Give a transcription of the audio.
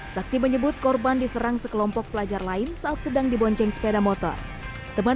saksi menyebut korban diserang sekelompok pelajar lain saat sedang dibonceng sepeda motor teman